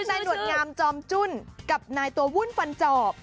นายหนวดงามจอมจุ้นกับนายตัววุ่นฟันจอบ